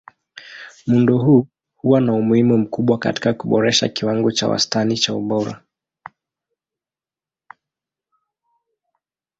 Muundo huu huwa na umuhimu mkubwa katika kuboresha kiwango cha wastani cha ubora.